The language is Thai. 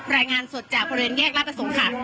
รายงานสดจากบริเวณแยกราชประสงค์ค่ะ